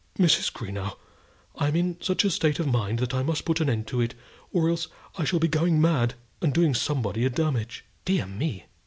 Mrs. Greenow, I'm in such a state of mind that I must put an end to it, or else I shall be going mad, and doing somebody a damage." "Dear me!